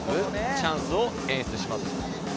チャンスを演出します。